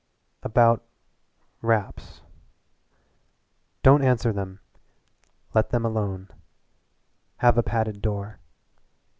"About raps. Don't answer them! Let them alone have a padded door."